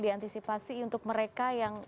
diantisipasi untuk mereka yang